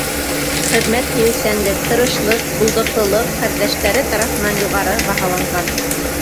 Хеҙмәт һөйөүсәнлек, тырышлыҡ, булдыҡлылыҡ ҡәрҙәштәре тарафынан юғары баһаланған.